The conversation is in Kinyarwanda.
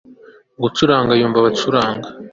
GUCURANGA yumva abacuranga